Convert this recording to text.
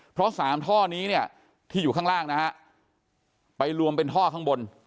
เพราะ๓ท่อนี้เนี่ยที่อยู่ข้างล่างนะฮะไปรวมเป็นท่อข้างบน